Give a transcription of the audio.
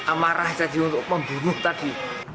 amarah tadi untuk membunuh tadi